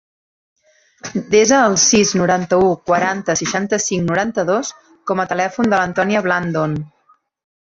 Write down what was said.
Desa el sis, noranta-u, quaranta, seixanta-cinc, noranta-dos com a telèfon de l'Antònia Blandon.